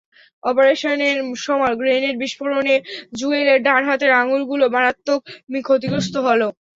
অপারেশনের সময় গ্রেনেড বিস্ফোরণে জুয়েলের ডান হাতের আঙুলগুলো মারাত্মক ক্ষতিগ্রস্ত হলো।